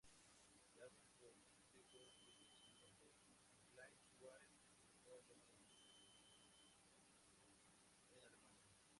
El álbum co-escrito y producido por Clyde Ward llegó al número dos en Alemania.